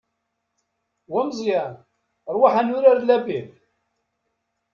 Wa Meẓyan, ṛwaḥ ad nurar labil!